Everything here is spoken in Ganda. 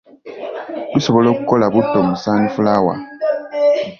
Tusobola okukola butto mu sunflower.